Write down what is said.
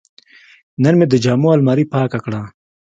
نن مې د جامو الماري پاکه کړه.